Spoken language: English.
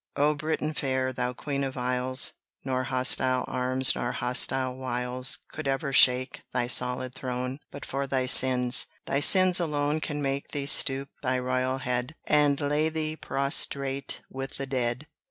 O Britain fair, thou queen of isles! Nor hostile arms nor hostile wiles Could ever shake thy solid throne But for thy sins. Thy sins alone Can make thee stoop thy royal head, And lay thee prostrate with the dead.